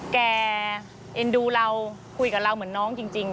เอ็นดูเราคุยกับเราเหมือนน้องจริง